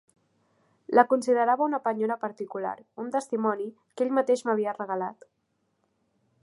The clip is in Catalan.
La considerava una penyora particular, un testimoni que ell mateix m'havia regalat.